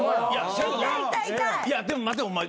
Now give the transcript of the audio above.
いやでも待てお前。